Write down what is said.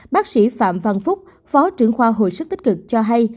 bác sĩ phạm văn phúc phó trưởng khoa hồi sức tích cực cho hay